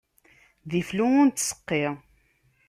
D iflu ur nettseqqi.